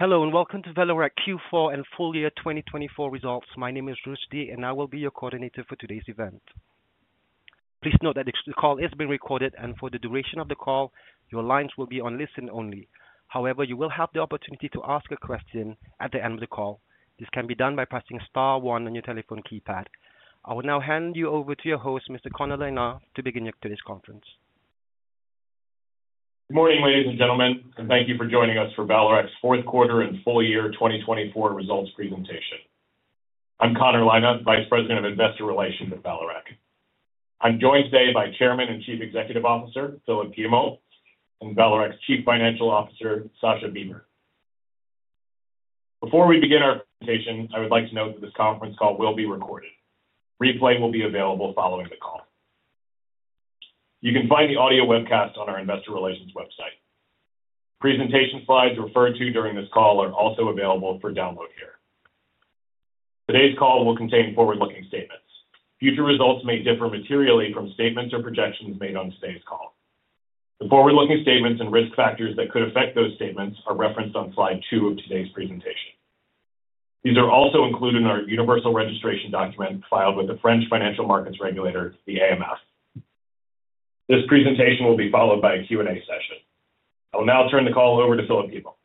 Hello, and welcome to Vallourec Q4 and full year 2024 results. My name is Rushdie, and I will be your coordinator for today's event. Please note that this call is being recorded, and for the duration of the call, your lines will be on listen only. However, you will have the opportunity to ask a question at the end of the call. This can be done by pressing star one on your telephone keypad. I will now hand you over to your host, Mr. Connor Lynagh, to begin today's conference. Good morning, ladies and gentlemen, and thank you for joining us for Vallourec's fourth quarter and full year 2024 results presentation. I'm Connor Lynagh, Vice President of Investor Relations at Vallourec. I'm joined today by Chairman and Chief Executive Officer, Philippe Guillemot, and Vallourec's Chief Financial Officer, Sascha Bibert. Before we begin our presentation, I would like to note that this conference call will be recorded. Replay will be available following the call. You can find the audio webcast on our Investor Relations website. Presentation slides referred to during this call are also available for download here. Today's call will contain forward-looking statements. Future results may differ materially from statements or projections made on today's call. The forward-looking statements and risk factors that could affect those statements are referenced on slide two of today's presentation. These are also included in our Universal Registration Document filed with the French financial markets regulator, the AMF. This presentation will be followed by a Q&A session. I will now turn the call over to Philippe Guillemot.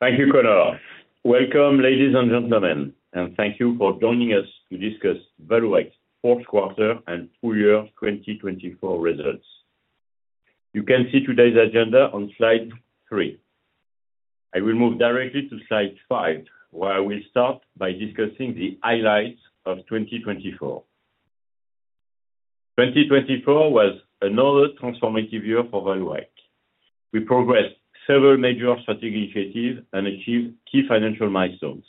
Thank you, Connor. Welcome, ladies and gentlemen, and thank you for joining us to discuss Vallourec's fourth quarter and full year 2024 results. You can see today's agenda on slide three. I will move directly to slide five, where I will start by discussing the highlights of 2024. 2024 was another transformative year for Vallourec. We progressed several major strategic initiatives and achieved key financial milestones.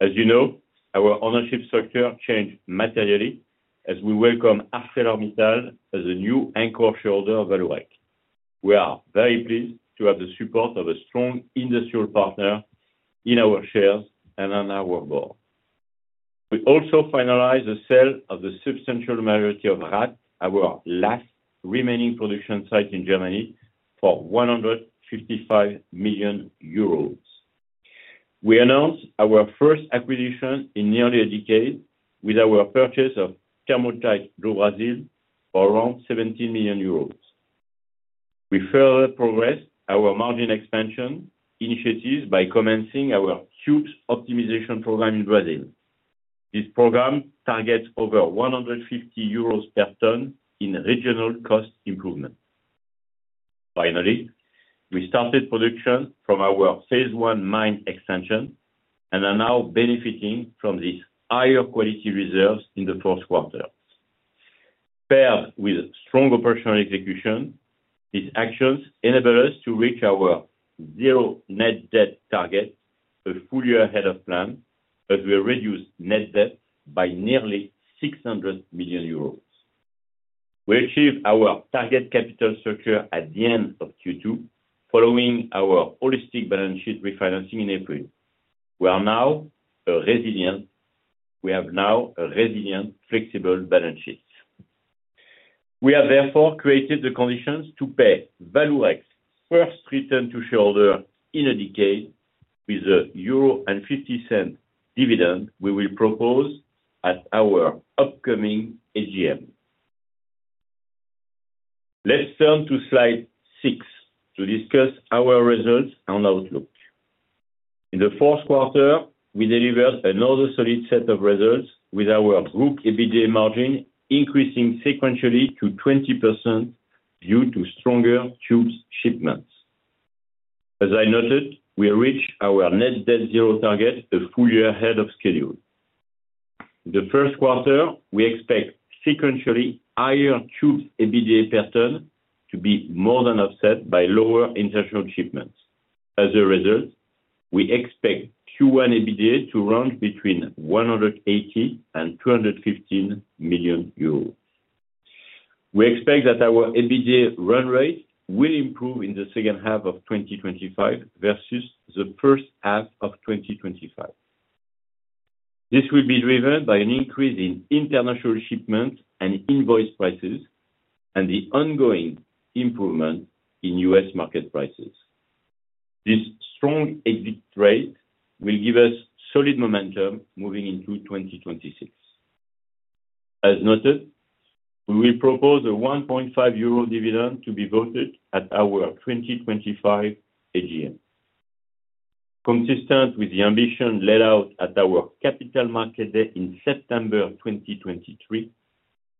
As you know, our ownership structure changed materially as we welcome ArcelorMittal as the new anchor shareholder of Vallourec. We are very pleased to have the support of a strong industrial partner in our shares and on our board. We also finalized the sale of the substantial majority of Rath, our last remaining production site in Germany, for 155 million euros. We announced our first acquisition in nearly a decade with our purchase of Thermotite do Brasil for around 17 million euros. We further progressed our margin expansion initiatives by commencing our Tubes Optimization Program in Brazil. This program targets over 150 euros per ton in regional cost improvement. Finally, we started production from our phase one mine extension and are now benefiting from these higher quality reserves in the fourth quarter. Paired with strong operational execution, these actions enable us to reach our zero net debt target, a full year ahead of plan, as we reduce net debt by nearly 600 million euros. We achieved our target capital structure at the end of Q2, following our holistic balance sheet refinancing in April. We have now a resilient, flexible balance sheet. We have therefore created the conditions to pay Vallourec's first return to shareholder in a decade with a 1.50 euro dividend we will propose at our upcoming AGM. Let's turn to slide six to discuss our results and outlook. In the fourth quarter, we delivered another solid set of results, with our book EBITDA margin increasing sequentially to 20% due to stronger tubes shipments. As I noted, we reached our net debt zero target a full year ahead of schedule. In the first quarter, we expect sequentially higher tubes EBITDA per ton to be more than offset by lower international shipments. As a result, we expect Q1 EBITDA to run between 180 and 215 million euros. We expect that our EBITDA run rate will improve in the second half of 2025 versus the first half of 2025. This will be driven by an increase in international shipments and invoice prices, and the ongoing improvement in U.S. market prices. This strong EBITDA rate will give us solid momentum moving into 2026. As noted, we will propose a 1.50 euro dividend to be voted at our 2025 AGM. Consistent with the ambition laid out at our Capital Markets Day in September 2023,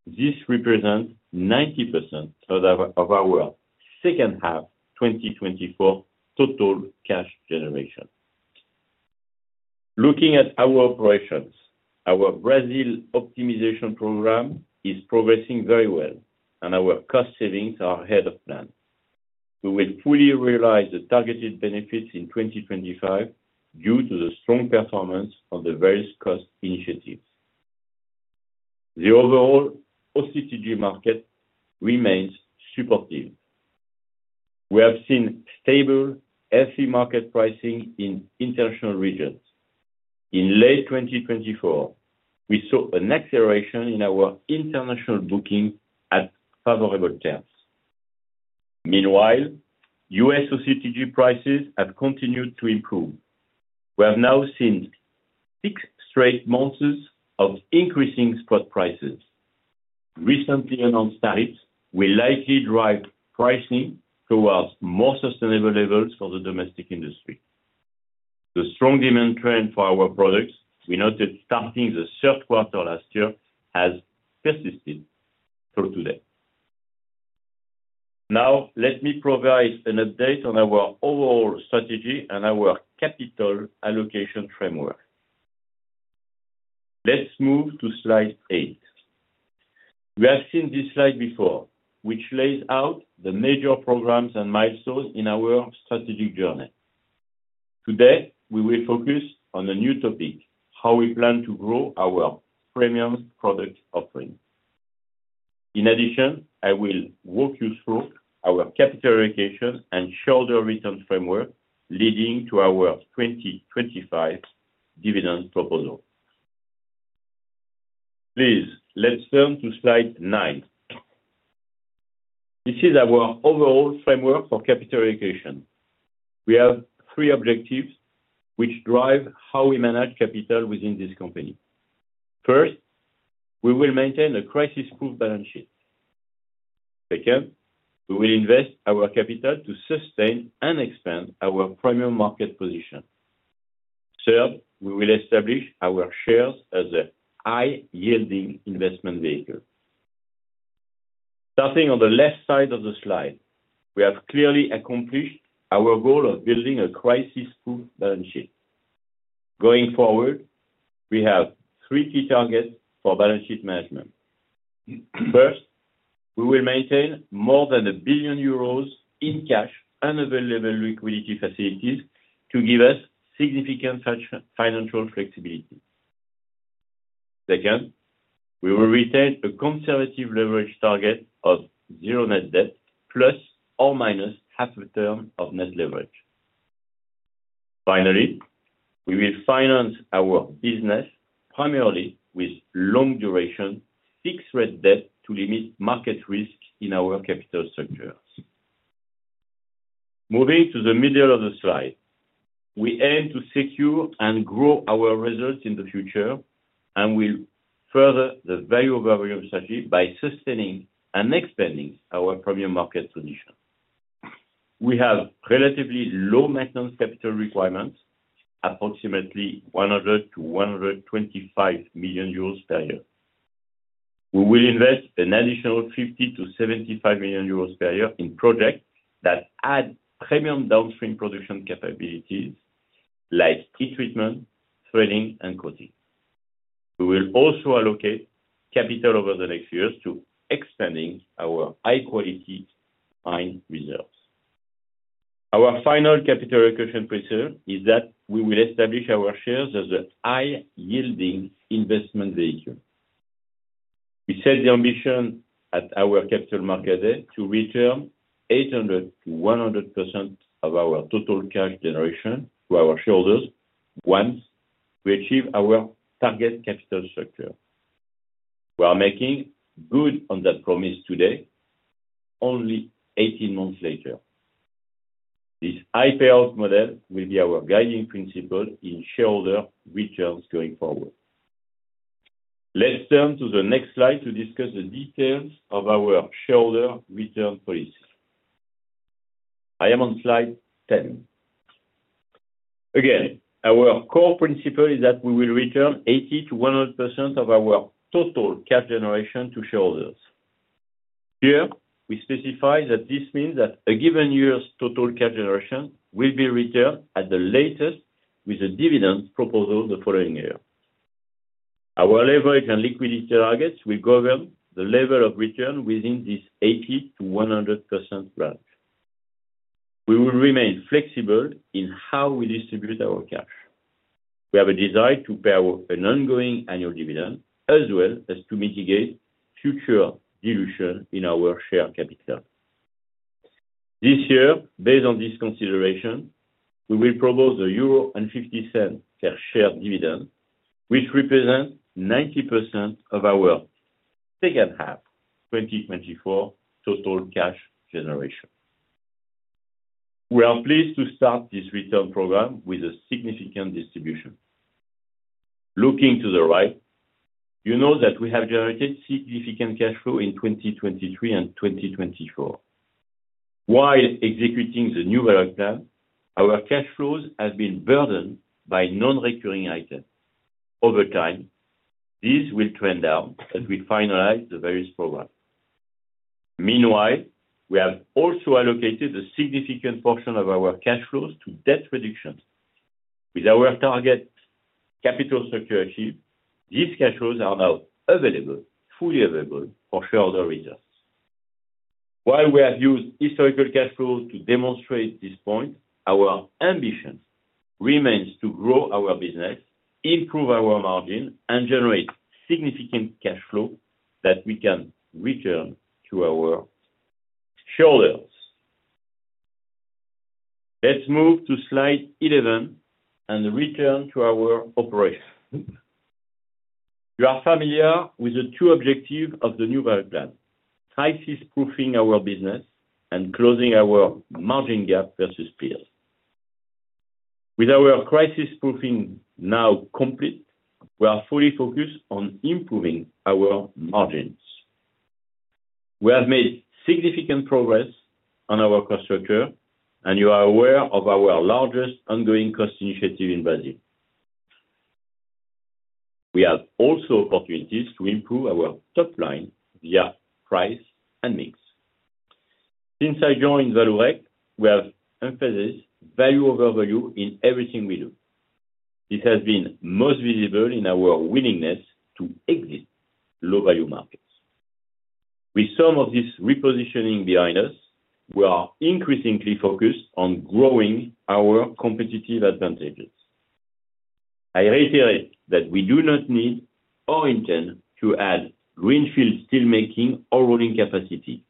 this represents 90% of our second half 2024 total cash generation. Looking at our operations, our Tubes Optimization Program is progressing very well, and our cost savings are ahead of plan. We will fully realize the targeted benefits in 2025 due to the strong performance of the various cost initiatives. The overall OCTG market remains supportive. We have seen stable, healthy market pricing in international regions. In late 2024, we saw an acceleration in our international booking at favorable terms. Meanwhile, U.S. OCTG prices have continued to improve. We have now seen six straight months of increasing spot prices. Recently announced tariffs will likely drive pricing towards more sustainable levels for the domestic industry. The strong demand trend for our products, we noted starting the third quarter last year, has persisted through today. Now, let me provide an update on our overall strategy and our capital allocation framework. Let's move to slide eight. We have seen this slide before, which lays out the major programs and milestones in our strategic journey. Today, we will focus on a new topic: how we plan to grow our premium product offering. In addition, I will walk you through our capital allocation and shareholder returns framework leading to our 2025 dividend proposal. Please, let's turn to slide nine. This is our overall framework for capital allocation. We have three objectives which drive how we manage capital within this company. First, we will maintain a crisis-proof balance sheet. Second, we will invest our capital to sustain and expand our premium market position. Third, we will establish our shares as a high-yielding investment vehicle. Starting on the left side of the slide, we have clearly accomplished our goal of building a crisis-proof balance sheet. Going forward, we have three key targets for balance sheet management. First, we will maintain more than 1 billion euros in cash and available liquidity facilities to give us significant financial flexibility. Second, we will retain a conservative leverage target of zero net debt plus or minus half a turn of net leverage. Finally, we will finance our business primarily with long-duration fixed-rate debt to limit market risk in our capital structures. Moving to the middle of the slide, we aim to secure and grow our results in the future and will further the value of our strategy by sustaining and expanding our premium market position. We have relatively low maintenance capital requirements, approximately 100-125 million euros per year. We will invest an additional 50-75 million euros per year in projects that add premium downstream production capabilities like heat treatment, threading, and coating. We will also allocate capital over the next years to expanding our high-quality mine reserves. Our final capital acquisition principle is that we will establish our shares as a high-yielding investment vehicle. We set the ambition at our Capital Markets Day to return 80%-100% of our total cash generation to our shareholders once we achieve our target capital structure. We are making good on that promise today, only 18 months later. This high-payout model will be our guiding principle in shareholder returns going forward. Let's turn to the next slide to discuss the details of our shareholder return policy. I am on slide 10. Again, our core principle is that we will return 80%-100% of our total cash generation to shareholders. Here, we specify that this means that a given year's total cash generation will be returned at the latest with a dividend proposal the following year. Our leverage and liquidity targets will govern the level of return within this 80%-100% range. We will remain flexible in how we distribute our cash. We have a desire to pay an ongoing annual dividend as well as to mitigate future dilution in our share capital. This year, based on this consideration, we will propose a 1.50 euro per share dividend, which represents 90% of our second half 2024 total cash generation. We are pleased to start this return program with a significant distribution. Looking to the right, you know that we have generated significant cash flow in 2023 and 2024. While executing the new Vallourec Plan, our cash flows have been burdened by non-recurring items. Over time, these will trend down as we finalize the various programs. Meanwhile, we have also allocated a significant portion of our cash flows to debt reduction. With our target capital structure achieved, these cash flows are now available, fully available for shareholder returns. While we have used historical cash flows to demonstrate this point, our ambition remains to grow our business, improve our margin, and generate significant cash flow that we can return to our shareholders. Let's move to slide 11 and return to our operations. You are familiar with the two objectives of the new Vallourec Plan: crisis-proofing our business and closing our margin gap versus peers. With our crisis-proofing now complete, we are fully focused on improving our margins. We have made significant progress on our cost structure, and you are aware of our largest ongoing cost initiative in Brazil. We have opportunities to improve our top line via price and mix. Since I joined Vallourec, we have emphasized Value over Volume in everything we do. This has been most visible in our willingness to exit low-value markets. With some of this repositioning behind us, we are increasingly focused on growing our competitive advantages. I reiterate that we do not need or intend to add greenfield steelmaking or rolling capacity.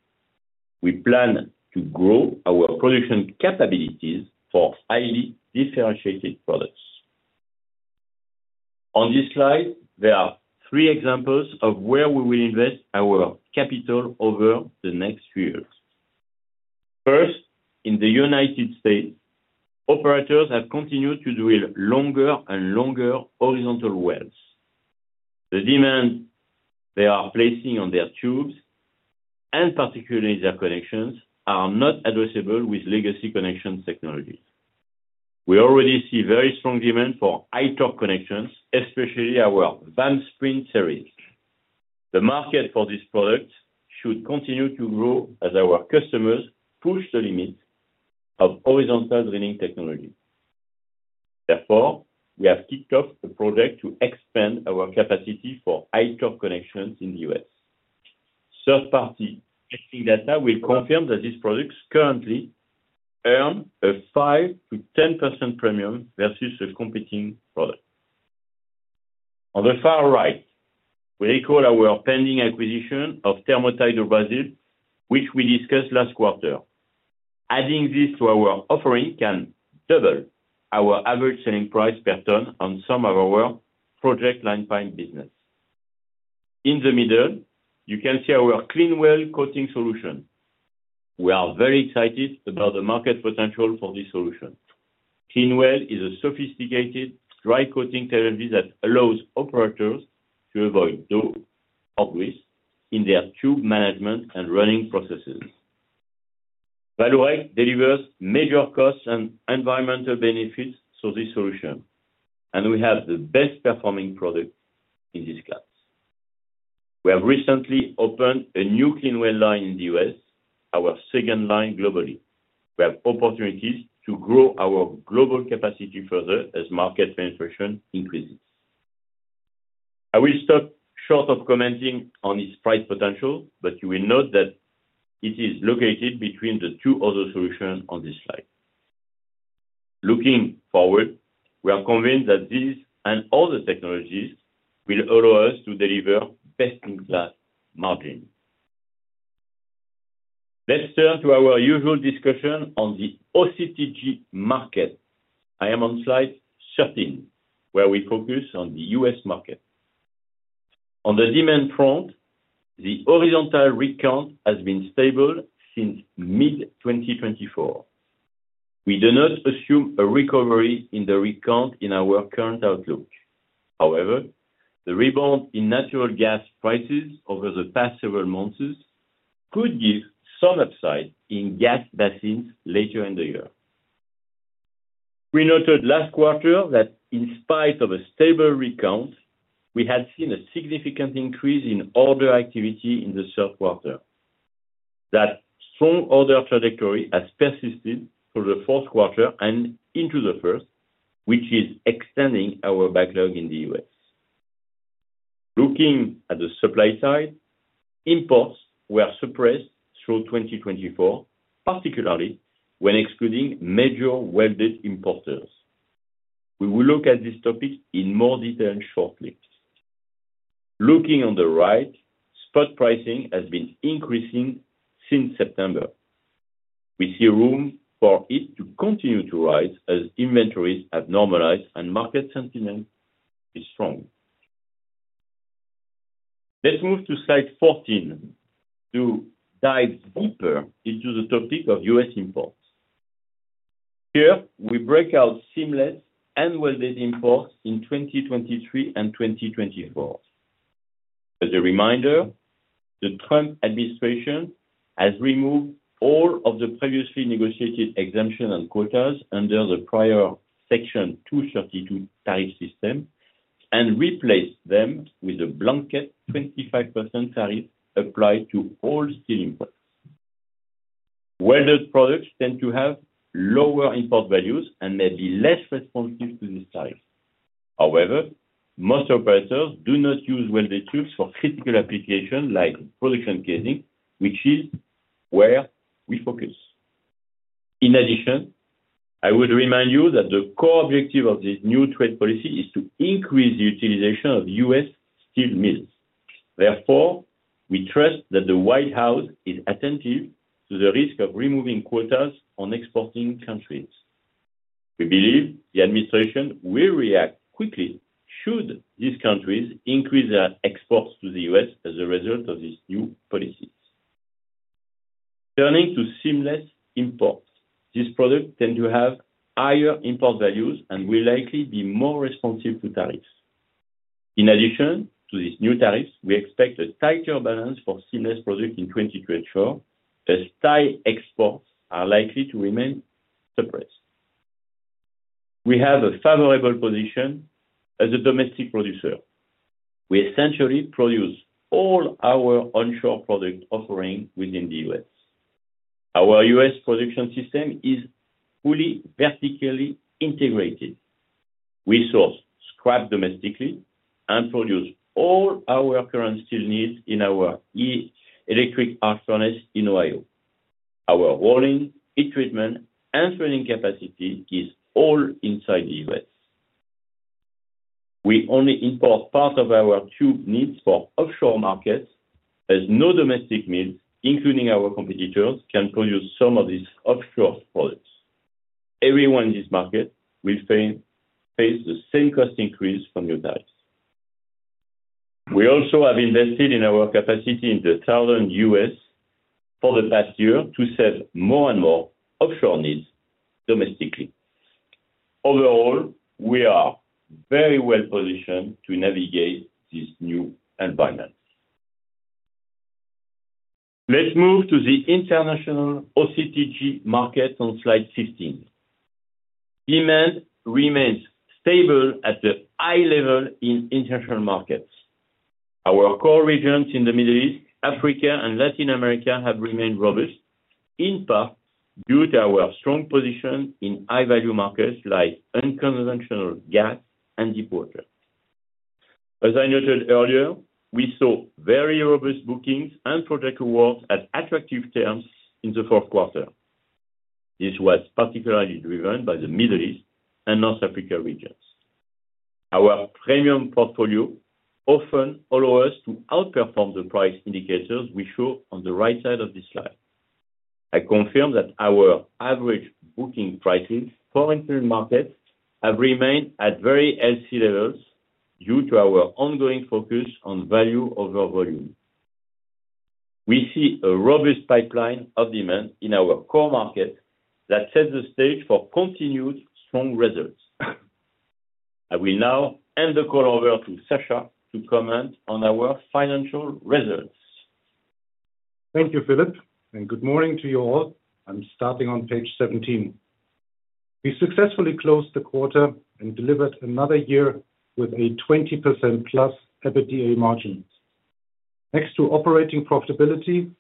We plan to grow our production capabilities for highly differentiated products. On this slide, there are three examples of where we will invest our capital over the next few years. First, in the United States, operators have continued to drill longer and longer horizontal wells. The demand they are placing on their tubes, and particularly their connections, is not addressable with legacy connection technologies. We already see very strong demand for high-torque connections, especially our VAM SPRINT series. The market for this product should continue to grow as our customers push the limits of horizontal drilling technology. Therefore, we have kicked off the project to expand our capacity for high-torque connections in the U.S. Third-party testing data will confirm that these products currently earn a 5%-10% premium versus a competing product. On the far right, we recall our pending acquisition of Thermotite do Brasil, which we discussed last quarter. Adding this to our offering can double our average selling price per ton on some of our project line pipe business. In the middle, you can see our CleanWell coating solution. We are very excited about the market potential for this solution. CleanWell is a sophisticated dry coating technology that allows operators to avoid thread or grease in their tube management and running processes. Vallourec delivers major cost and environmental benefits for this solution, and we have the best-performing product in this class. We have recently opened a new CleanWell line in the U.S., our second line globally. We have opportunities to grow our global capacity further as market penetration increases. I will stop short of commenting on its price potential, but you will note that it is located between the two other solutions on this slide. Looking forward, we are convinced that these and other technologies will allow us to deliver best-in-class margin. Let's turn to our usual discussion on the OCTG market. I am on slide 13, where we focus on the U.S. market. On the demand front, the horizontal rig count has been stable since mid-2024. We do not assume a recovery in the rig count in our current outlook. However, the rebound in natural gas prices over the past several months could give some upside in gas basins later in the year. We noted last quarter that in spite of a stable rig count, we had seen a significant increase in order activity in the third quarter. That strong order trajectory has persisted through the fourth quarter and into the first, which is extending our backlog in the U.S. Looking at the supply side, imports were suppressed through 2024, particularly when excluding major welded importers. We will look at this topic in more detail shortly. Looking on the right, spot pricing has been increasing since September. We see room for it to continue to rise as inventories have normalized and market sentiment is strong. Let's move to slide 14 to dive deeper into the topic of U.S. imports. Here, we break out seamless and welded imports in 2023 and 2024. As a reminder, the Trump administration has removed all of the previously negotiated exemptions and quotas under the prior Section 232 tariff system and replaced them with a blanket 25% tariff applied to all steel imports. Welded products tend to have lower import values and may be less responsive to this tariff. However, most operators do not use welded tubes for critical applications like production casing, which is where we focus. In addition, I would remind you that the core objective of this new trade policy is to increase the utilization of U.S. steel mills. Therefore, we trust that the White House is attentive to the risk of removing quotas on exporting countries. We believe the administration will react quickly should these countries increase their exports to the U.S. as a result of these new policies. Turning to seamless imports, these products tend to have higher import values and will likely be more responsive to tariffs. In addition to these new tariffs, we expect a tighter balance for seamless products in 2024 as Thai exports are likely to remain suppressed. We have a favorable position as a domestic producer. We essentially produce all our onshore product offering within the U.S. Our U.S. production system is fully vertically integrated. We source scrap domestically and produce all our current steel needs in our electric arc furnace in Ohio. Our rolling, heat treatment, and threading capacity is all inside the U.S. We only import part of our tube needs for offshore markets as no domestic mills, including our competitors, can produce some of these offshore products. Everyone in this market will face the same cost increase from your tariffs. We also have invested in our capacity in the southern US for the past year to serve more and more offshore needs domestically. Overall, we are very well positioned to navigate this new environment. Let's move to the international OCTG market on slide 15. Demand remains stable at the high level in international markets. Our core regions in the Middle East, Africa, and Latin America have remained robust, in part due to our strong position in high-value markets like unconventional gas and deep water. As I noted earlier, we saw very robust bookings and project awards at attractive terms in the fourth quarter. This was particularly driven by the Middle East and North Africa regions. Our premium portfolio often allows us to outperform the price indicators we show on the right side of this slide. I confirm that our average booking prices for international markets have remained at very healthy levels due to our ongoing focus on Value over Volume. We see a robust pipeline of demand in our core markets that sets the stage for continued strong results. I will now hand the call over to Sascha to comment on our financial results. Thank you, Philippe, and good morning to you all. I'm starting on page 17. We successfully closed the quarter and delivered another year with a 20% plus EBITDA margin. Next to operating profitability,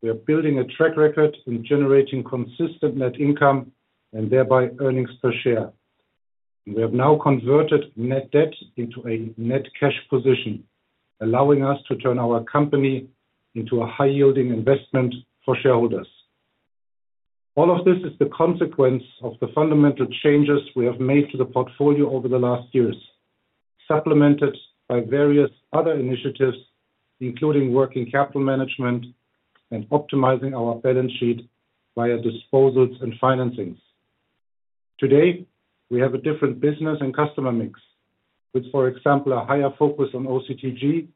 we are building a track record in generating consistent net income and thereby earnings per share. We have now converted net debt into a net cash position, allowing us to turn our company into a high-yielding investment for shareholders. All of this is the consequence of the fundamental changes we have made to the portfolio over the last years, supplemented by various other initiatives, including working capital management and optimizing our balance sheet via disposals and financings. Today, we have a different business and customer mix, with, for example, a higher focus on OCTG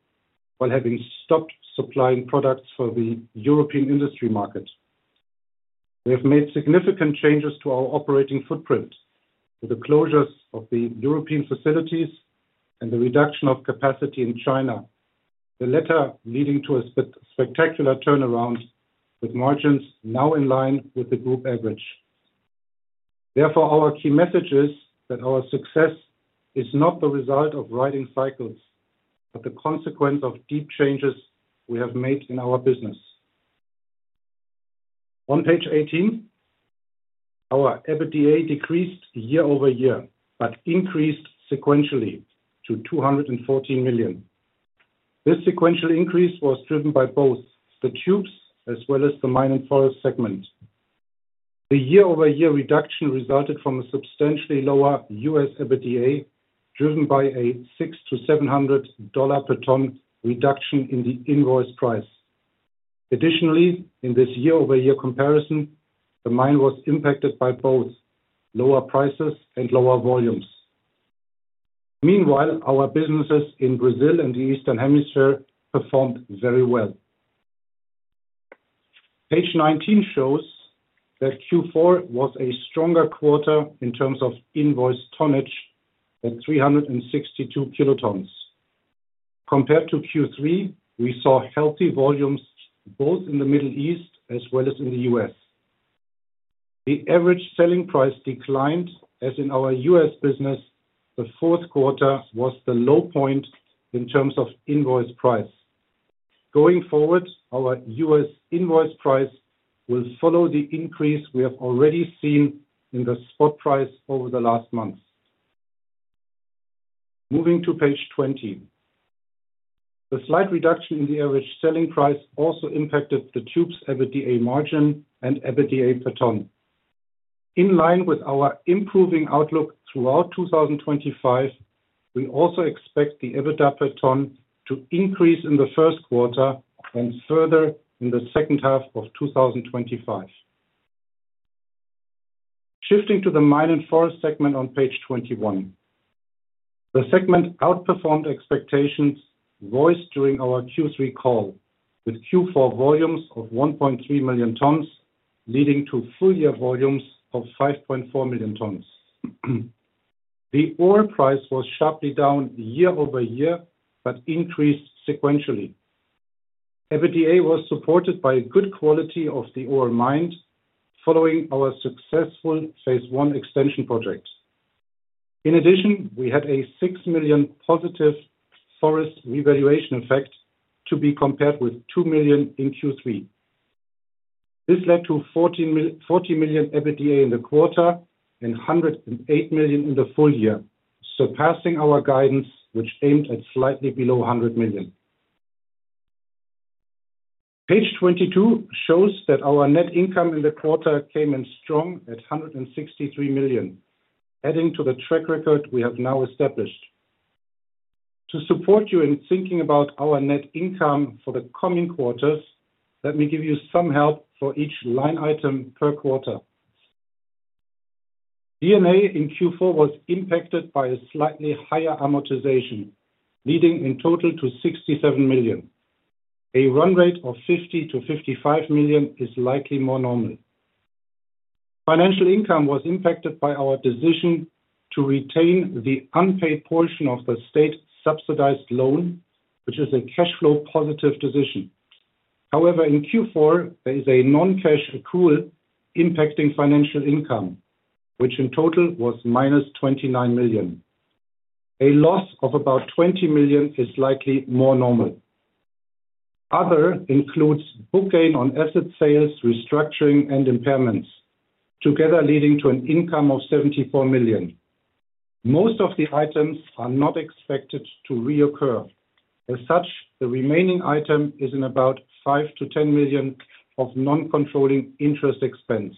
while having stopped supplying products for the European industry market. We have made significant changes to our operating footprint with the closures of the European facilities and the reduction of capacity in China, the latter leading to a spectacular turnaround with margins now in line with the group average. Therefore, our key message is that our success is not the result of riding cycles, but the consequence of deep changes we have made in our business. On page 18, our EBITDA decreased year-over-year but increased sequentially to 214 million. This sequential increase was driven by both the tubes as well as the mine and forest segment. The year-over-year reduction resulted from a substantially lower US EBITDA driven by a $600-$700 per ton reduction in the invoice price. Additionally, in this year-over-year comparison, the mine was impacted by both lower prices and lower volumes. Meanwhile, our businesses in Brazil and the Eastern Hemisphere performed very well. Page 19 shows that Q4 was a stronger quarter in terms of invoice tonnage at 362 kilotons. Compared to Q3, we saw healthy volumes both in the Middle East as well as in the US. The average selling price declined, as in our US business, the fourth quarter was the low point in terms of invoice price. Going forward, our US invoice price will follow the increase we have already seen in the spot price over the last months. Moving to page 20, the slight reduction in the average selling price also impacted the tubes' EBITDA margin and EBITDA per ton. In line with our improving outlook throughout 2025, we also expect the EBITDA per ton to increase in the first quarter and further in the second half of 2025. Shifting to the mine and forest segment on page 21, the segment outperformed expectations voiced during our Q3 call, with Q4 volumes of 1.3 million tons, leading to full-year volumes of 5.4 million tons. The ore price was sharply down year-over-year but increased sequentially. EBITDA was supported by good quality of the ore mined following our successful phase one extension project. In addition, we had a 6 million positive forest revaluation effect to be compared with 2 million in Q3. This led to 40 million EBITDA in the quarter and 108 million in the full year, surpassing our guidance, which aimed at slightly below 100 million. Page 22 shows that our net income in the quarter came in strong at 163 million, adding to the track record we have now established. To support you in thinking about our net income for the coming quarters, let me give you some help for each line item per quarter. D&A in Q4 was impacted by a slightly higher amortization, leading in total to 67 million. A run rate of 50 million-55 million is likely more normal. Financial income was impacted by our decision to retain the unpaid portion of the state subsidized loan, which is a cash flow positive decision. However, in Q4, there is a non-cash accrual impacting financial income, which in total was minus 29 million. A loss of about 20 million is likely more normal. Other includes book gain on asset sales, restructuring, and impairments, together leading to an income of 74 million. Most of the items are not expected to recur. As such, the remaining item is in about 5-10 million of non-controlling interest expense.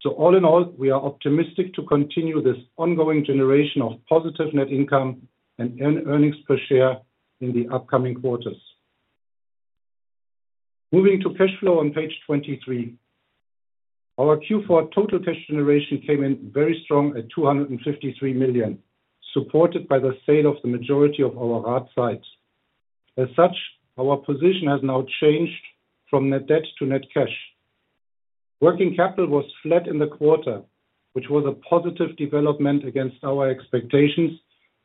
So all in all, we are optimistic to continue this ongoing generation of positive net income and earnings per share in the upcoming quarters. Moving to cash flow on page 23, our Q4 total cash generation came in very strong at 253 million, supported by the sale of the majority of our Rath sites. As such, our position has now changed from net debt to net cash. Working capital was flat in the quarter, which was a positive development against our expectations,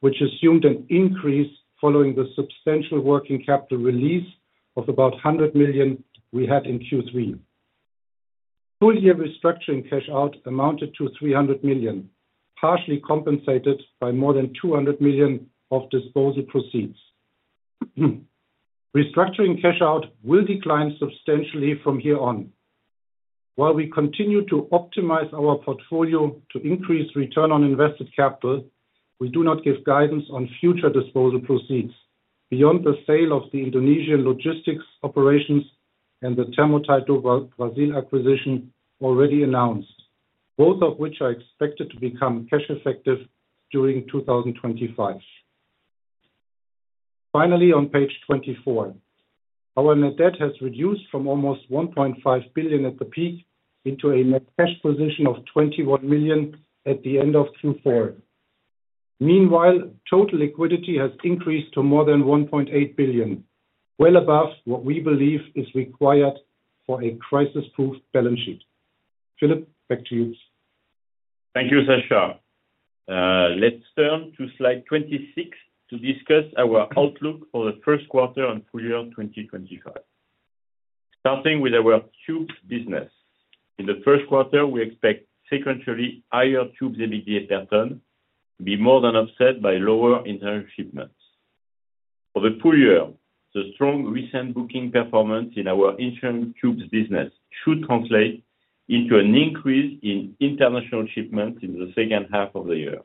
which assumed an increase following the substantial working capital release of about 100 million we had in Q3. Full-year restructuring cash out amounted to 300 million, partially compensated by more than 200 million of disposal proceeds. Restructuring cash out will decline substantially from here on. While we continue to optimize our portfolio to increase return on invested capital, we do not give guidance on future disposal proceeds beyond the sale of the Indonesian logistics operations and the Thermotite do Brasil acquisition already announced, both of which are expected to become cash effective during 2025. Finally, on page 24, our net debt has reduced from almost 1.5 billion at the peak into a net cash position of 21 million at the end of Q4. Meanwhile, total liquidity has increased to more than 1.8 billion, well above what we believe is required for a crisis-proof balance sheet. Philippe, back to you. Thank you, Sascha. Let's turn to slide 26 to discuss our outlook for the first quarter and full year 2025. Starting with our tubes business, in the first quarter, we expect sequentially higher tubes EBITDA per ton to be more than offset by lower international shipments. For the full year, the strong recent booking performance in our international tubes business should translate into an increase in international shipments in the second half of the year.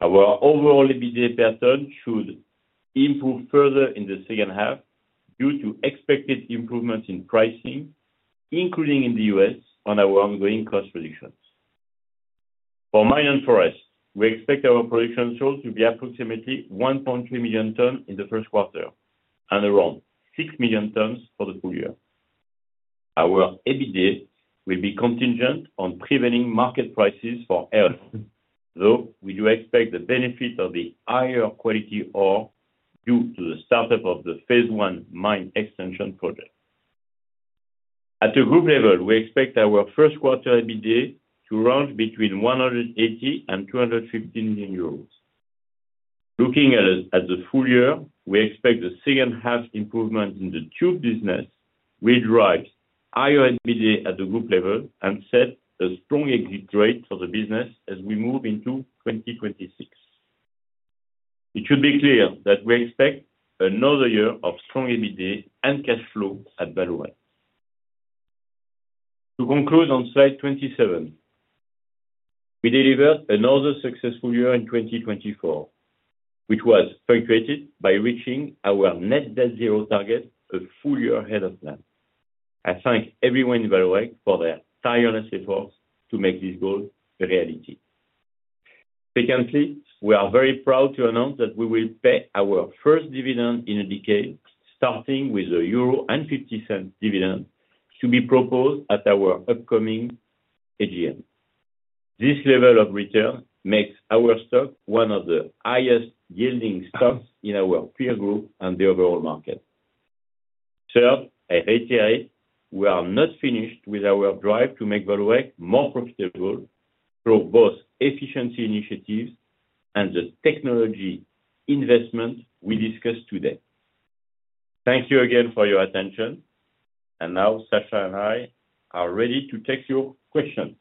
Our overall EBITDA per ton should improve further in the second half due to expected improvements in pricing, including in the U.S. on our ongoing cost reductions. For mine and forest, we expect our production total to be approximately 1.3 million tons in the first quarter and around 6 million tons for the full year. Our EBITDA will be contingent on prevailing market prices for iron ore, though we do expect the benefit of the higher quality ore due to the startup of the phase one mine extension project. At the group level, we expect our first quarter EBITDA to run between 180 million and 215 million euros. Looking at the full year, we expect the second half improvement in the tube business will drive higher EBITDA at the group level and set a strong exit rate for the business as we move into 2026. It should be clear that we expect another year of strong EBITDA and cash flow at Vallourec. To conclude on slide 27, we delivered another successful year in 2024, which was punctuated by reaching our net debt zero target a full year ahead of plan. I thank everyone in Vallourec for their tireless efforts to make this goal a reality. Secondly, we are very proud to announce that we will pay our first dividend in a decade, starting with a 1.50 euro dividend to be proposed at our upcoming AGM. This level of return makes our stock one of the highest yielding stocks in our peer group and the overall market. Third, I reiterate we are not finished with our drive to make Vallourec more profitable through both efficiency initiatives and the technology investment we discussed today. Thank you again for your attention. And now, Sascha and I are ready to take your questions.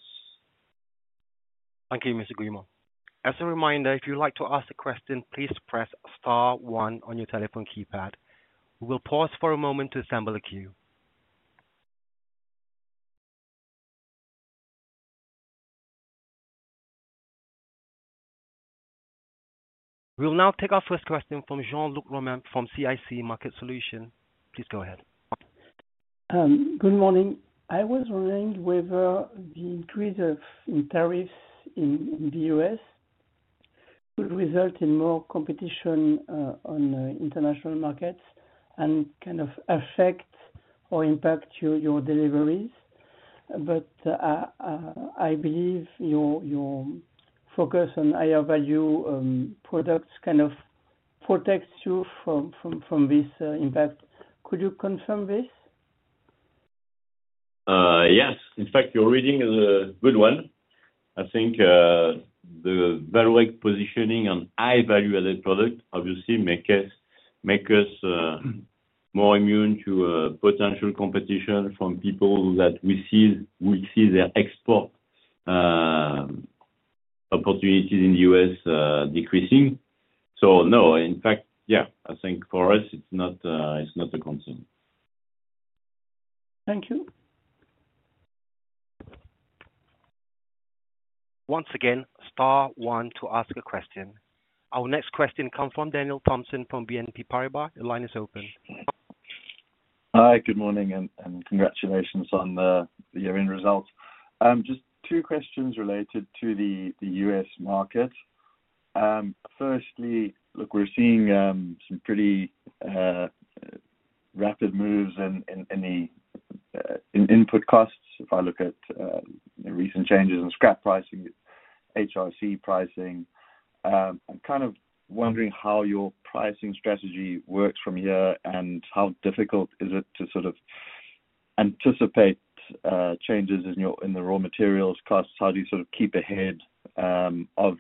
Thank you, Mr. Guillemot. As a reminder, if you'd like to ask a question, please press star one on your telephone keypad. We will pause for a moment to assemble a queue. We will now take our first question from Jean-Luc Romain from CIC Market Solutions. Please go ahead. Good morning. I was worried whether the increase in tariffs in the U.S. could result in more competition on international markets and kind of affect or impact your deliveries. But I believe your focus on higher value products kind of protects you from this impact. Could you confirm this? Yes. In fact, your reading is a good one. I think the Vallourec positioning on high value-added product obviously makes us more immune to potential competition from people that we see their export opportunities in the U.S. decreasing. So no, in fact, yeah, I think for us, it's not a concern. Thank you. Once again, star one to ask a question. Our next question comes from Daniel Thomson from BNP Paribas. The line is open. Hi, good morning, and congratulations on the year-end results. Just two questions related to the US market. Firstly, look, we're seeing some pretty rapid moves in input costs if I look at recent changes in scrap pricing, HRC pricing. I'm kind of wondering how your pricing strategy works from here and how difficult is it to sort of anticipate changes in the raw materials costs, how do you sort of keep ahead of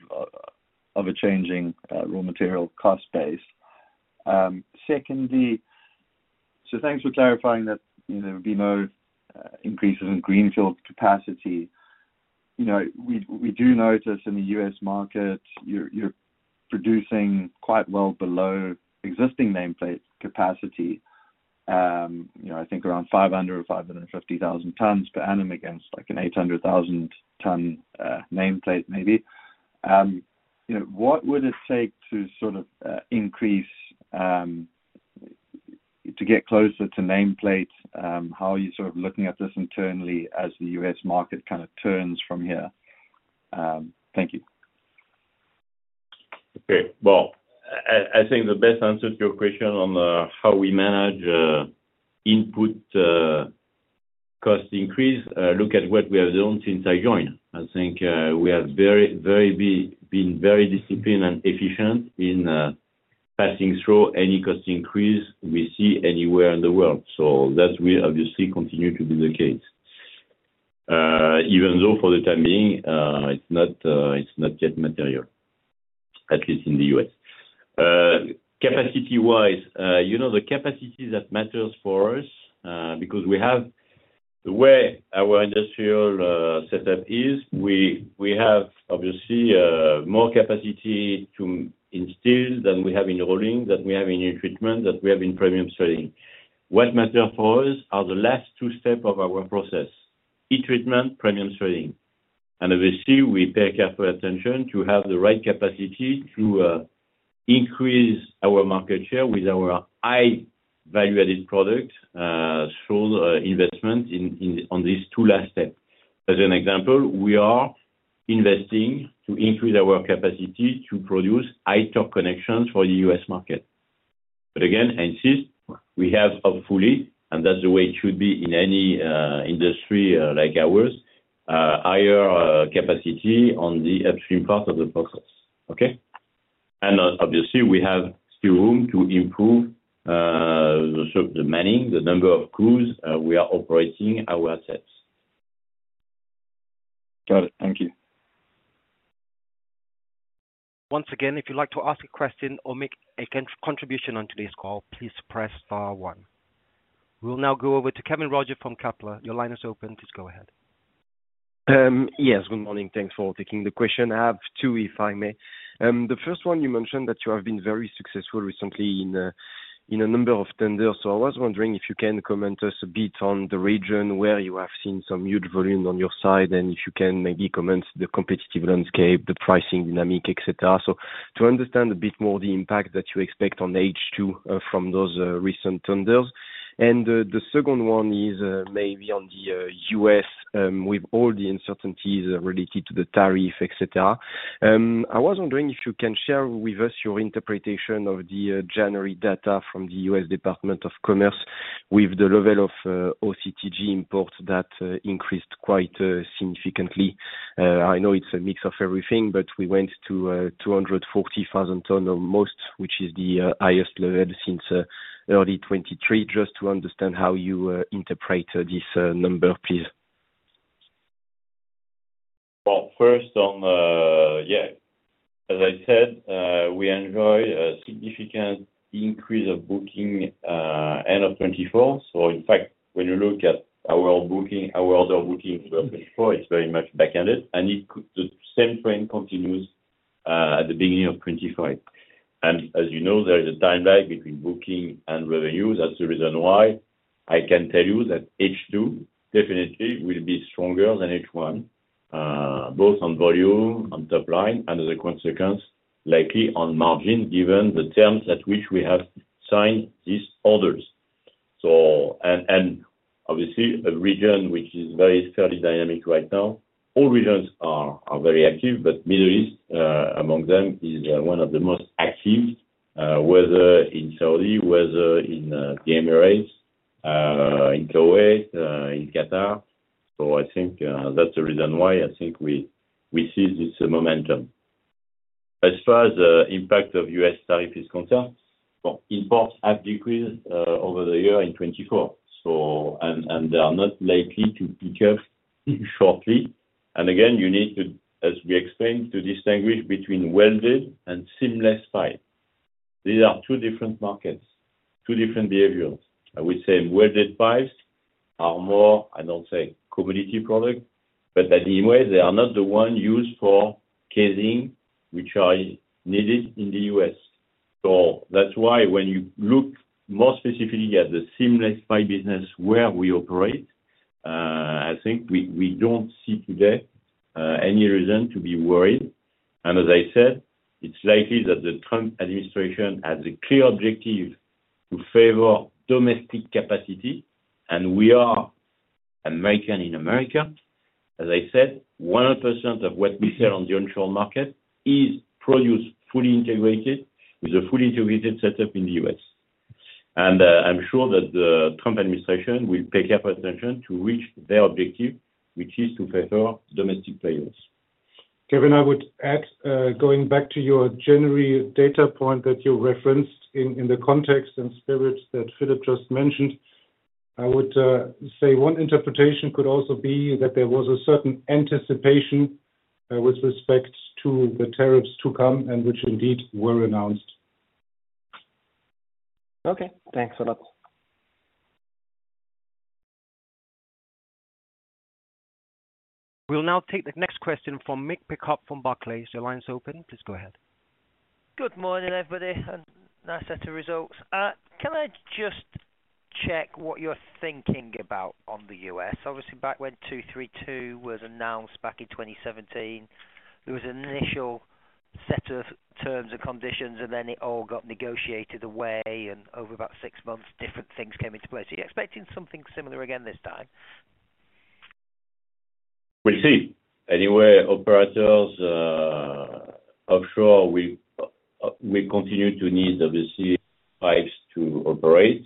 a changing raw material cost base? Secondly, so thanks for clarifying that there will be no increases in greenfield capacity. We do notice in the US market, you're producing quite well below existing nameplate capacity, I think around 500,000 or 550,000 tons per annum against like an 800,000-ton nameplate maybe. What would it take to sort of increase to get closer to nameplate? How are you sort of looking at this internally as the U.S. market kind of turns from here? Thank you. Okay. Well, I think the best answer to your question on how we manage input cost increase, look at what we have done since I joined. I think we have been very disciplined and efficient in passing through any cost increase we see anywhere in the world. So that will obviously continue to be the case, even though for the time being, it's not yet material, at least in the U.S. Capacity-wise, the capacity that matters for us, because we have the way our industrial setup is, we have obviously more capacity in steel than we have in rolling, than we have in heat treatment, than we have in premium threading. What matters for us are the last two steps of our process: heat treatment, premium threading. And obviously, we pay careful attention to have the right capacity to increase our market share with our high value-added product through investment on these two last steps. As an example, we are investing to increase our capacity to produce high-torque connections for the US market. But again, I insist, we have hopefully, and that's the way it should be in any industry like ours, higher capacity on the upstream part of the process, okay? And obviously, we have still room to improve the timing, the number of crews we are operating our sets. Got it. Thank you. Once again, if you'd like to ask a question or make a contribution on today's call, please press star one. We'll now go over to Kevin Roger from Kepler. Your line is open. Please go ahead. Yes, good morning. Thanks for taking the question. I have two, if I may. The first one, you mentioned that you have been very successful recently in a number of tenders. So I was wondering if you can comment us a bit on the region where you have seen some huge volume on your side and if you can maybe comment the competitive landscape, the pricing dynamic, etc., so to understand a bit more the impact that you expect on H2 from those recent tenders. And the second one is maybe on the U.S. with all the uncertainties related to the tariff, etc. I was wondering if you can share with us your interpretation of the January data from the U.S. Department of Commerce with the level of OCTG imports that increased quite significantly. I know it's a mix of everything, but we went to 240,000 tons almost, which is the highest level since early 2023. Just to understand how you interpret this number, please. Well, first, yeah, as I said, we enjoy a significant increase of bookings at the end of 2024. So in fact, when you look at our order bookings for 2024, it's very much back-loaded. And the same trend continues at the beginning of 2025. And as you know, there is a tieback between booking and revenue. That's the reason why I can tell you that H2 definitely will be stronger than H1, both on volume, on top line, and as a consequence, likely on margin given the terms at which we have signed these orders. And obviously, a region which is very fairly dynamic right now. All regions are very active, but Middle East among them is one of the most active, whether in Saudi Arabia, whether in the United Arab Emirates, in Kuwait, in Qatar. So I think that's the reason why I think we see this momentum. As far as the impact of US tariff is concerned, imports have decreased over the year in 2024, and they are not likely to pick up shortly. And again, you need to, as we explained, to distinguish between welded and seamless pipe. These are two different markets, two different behaviors. I would say welded pipes are more, I don't say, commodity product, but at any way, they are not the one used for casing which are needed in the US. So that's why when you look more specifically at the seamless pipe business where we operate, I think we don't see today any reason to be worried. And as I said, it's likely that the Trump administration has a clear objective to favor domestic capacity. And we are American in America. As I said, 1% of what we sell on the onshore market is produced fully integrated with a fully integrated setup in the U.S. And I'm sure that the Trump administration will pay careful attention to reach their objective, which is to prefer domestic players. Kevin, I would add, going back to your January data point that you referenced in the context and spirit that Philippe just mentioned, I would say one interpretation could also be that there was a certain anticipation with respect to the tariffs to come and which indeed were announced. Okay. Thanks a lot. We'll now take the next question from Mick Pickup from Barclays. Your line is open. Please go ahead. Good morning, everybody, and nice set of results. Can I just check what you're thinking about on the US? Obviously, back when Section 232 was announced back in 2017, there was an initial set of terms and conditions, and then it all got negotiated away, and over about six months, different things came into place. Are you expecting something similar again this time? We see anywhere operators offshore, we continue to need, obviously, pipes to operate.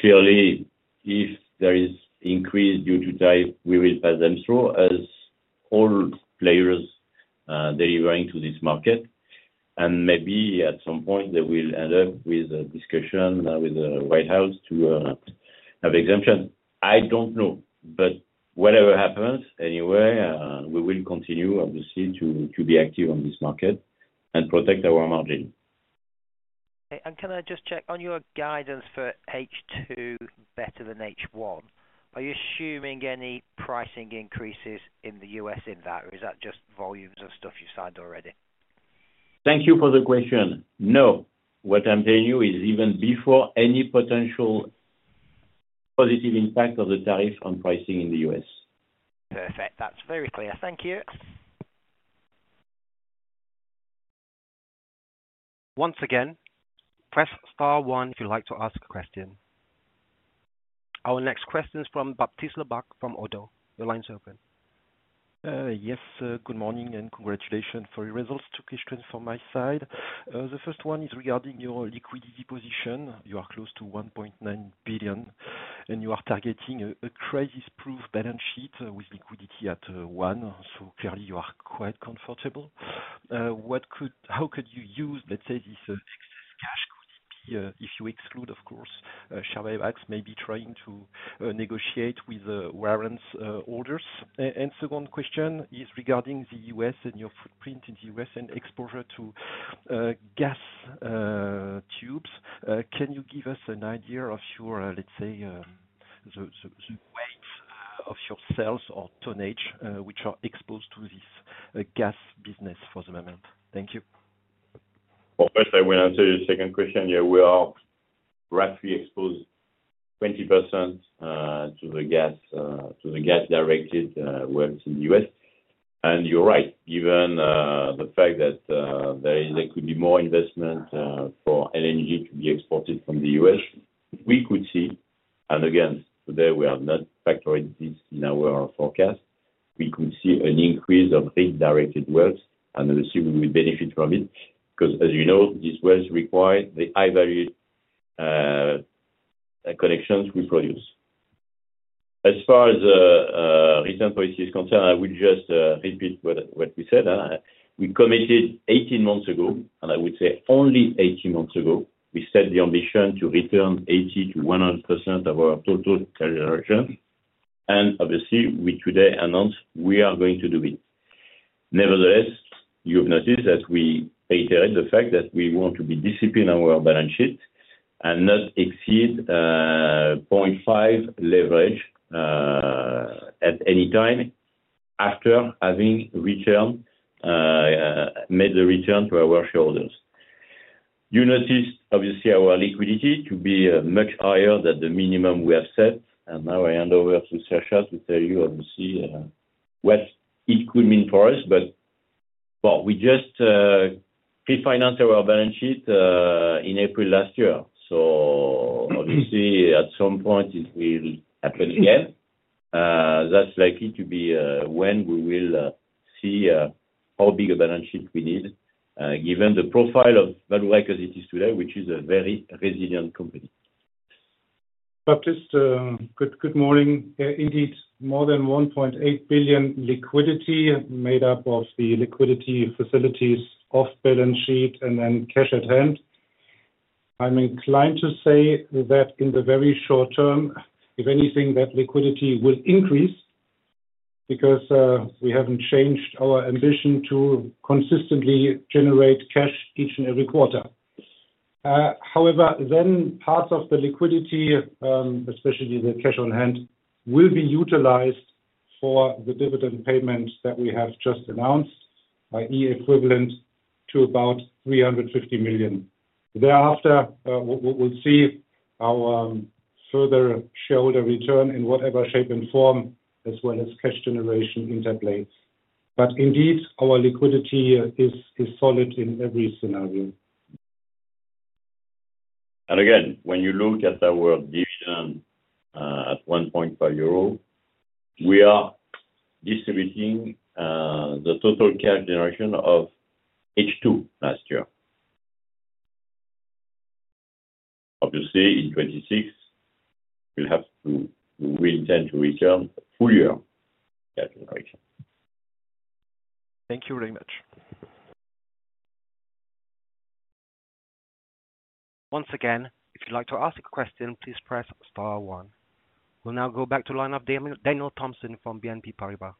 Clearly, if there is increase due to tariffs, we will pass them through as all players delivering to this market. And maybe at some point, they will end up with a discussion with the White House to have exemption. I don't know, but whatever happens, anyway, we will continue, obviously, to be active on this market and protect our margin. Okay. And can I just check on your guidance for H2 better than H1? Are you assuming any pricing increases in the U.S. in that, or is that just volumes of stuff you signed already? Thank you for the question. No. What I'm telling you is even before any potential positive impact of the tariff on pricing in the U.S. Perfect. That's very clear. Thank you. Once again, press star one if you'd like to ask a question. Our next question is from Baptiste Lebacq from Oddo. Your line is open. Yes. Good morning and congratulations for your results. Two questions from my side. The first one is regarding your liquidity position. You are close to 1.9 billion, and you are targeting a crisis-proof balance sheet with liquidity at 1 billion. So clearly, you are quite comfortable. How could you use, let's say, this excess cash? Could it be, if you exclude, of course, share buybacks, maybe trying to negotiate with warrant holders? Second question is regarding the U.S. and your footprint in the U.S. and exposure to gas tubes. Can you give us an idea of your, let's say, the weight of your sales or tonnage which are exposed to this gas business for the moment? Thank you. First, I will answer your second question. Yeah, we are roughly exposed 20% to the gas-directed wells in the U.S. You're right. Given the fact that there could be more investment for LNG to be exported from the U.S., we could see, and again, today, we are not factoring this in our forecast, we could see an increase of redirected wells, and obviously, we would benefit from it because, as you know, these wells require the high-value connections we produce. As far as return policy is concerned, I will just repeat what we said. We committed 18 months ago, and I would say only 18 months ago, we set the ambition to return 80%-100% of our total free cash flow generation. Obviously, we today announced we are going to do it. Nevertheless, you've noticed that we reiterate the fact that we want to be disciplined on our balance sheet and not exceed 0.5 leverage at any time after having made the return to our shareholders. You noticed, obviously, our liquidity to be much higher than the minimum we have set. Now I hand over to Sascha to tell you, obviously, what it could mean for us. We just refinanced our balance sheet in April last year. So obviously, at some point, it will happen again. That's likely to be when we will see how big a balance sheet we need, given the profile of Vallourec as it is today, which is a very resilient company. Baptiste, good morning. Indeed, more than 1.8 billion liquidity made up of the liquidity facilities off-balance sheet and then cash at hand. I'm inclined to say that in the very short term, if anything, that liquidity will increase because we haven't changed our ambition to consistently generate cash each and every quarter. However, then parts of the liquidity, especially the cash on hand, will be utilized for the dividend payment that we have just announced, i.e., equivalent to about 350 million. Thereafter, we'll see our further shareholder return in whatever shape and form, as well as cash generation interplay. But indeed, our liquidity is solid in every scenario. And again, when you look at our dividend at 1.5 euro, we are distributing the total cash generation of H2 last year. Obviously, in 2026, we'll have to return full year cash generation. Thank you very much. Once again, if you'd like to ask a question, please press star one. We'll now go back to the line of Daniel Thompson from BNP Paribas.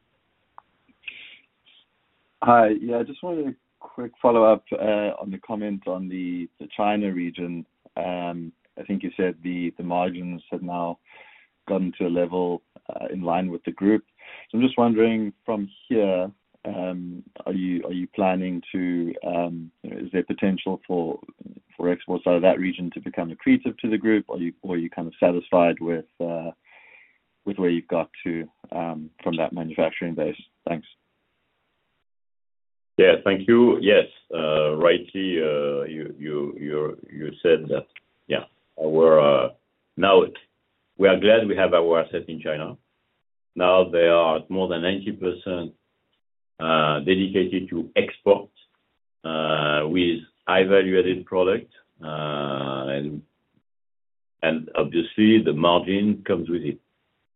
Hi. Yeah, I just wanted a quick follow-up on the comment on the China region. I think you said the margins have now gotten to a level in line with the group. So I'm just wondering from here, are you planning to? Is there potential for exports out of that region to become accretive to the group, or are you kind of satisfied with where you've got to from that manufacturing base? Thanks. Yeah, thank you. Yes. Rightly, you said that, yeah, now we are glad we have our assets in China. Now they are more than 90% dedicated to export with high-value added product. And obviously, the margin comes with it.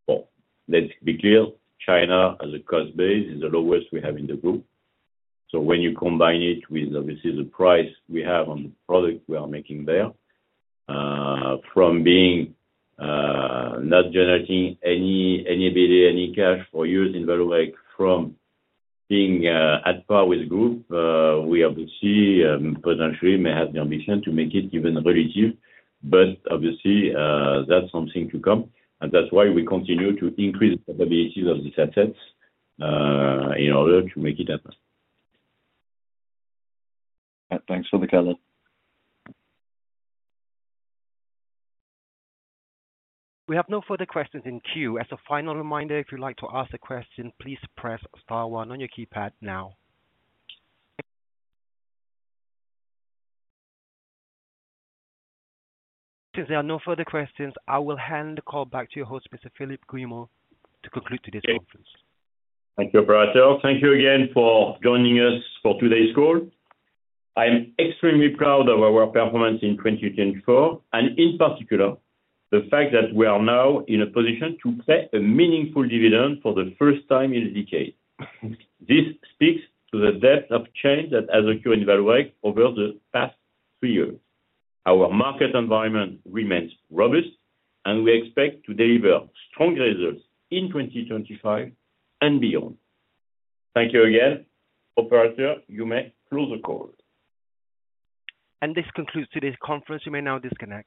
Well, let's be clear. China has a cost base in the lowest we have in the group. So when you combine it with, obviously, the price we have on the product we are making there, from being not generating any billion, any cash for years in Vallourec from being at par with the group, we obviously potentially may have the ambition to make it even accretive. But obviously, that's something to come. And that's why we continue to increase the capabilities of these assets in order to make it happen. Thanks for the comment. We have no further questions in queue. As a final reminder, if you'd like to ask a question, please press star one on your keypad now. Since there are no further questions, I will hand the call back to your host, Mr. Philippe Guillemot, to conclude today's conference. Thank you, Operator. Thank you again for joining us for today's call. I am extremely proud of our performance in 2024, and in particular, the fact that we are now in a position to pay a meaningful dividend for the first time in a decade. This speaks to the depth of change that has occurred in Vallourec over the past three years. Our market environment remains robust, and we expect to deliver strong results in 2025 and beyond. Thank you again. Operator, you may close the call. And this concludes today's conference. You may now disconnect.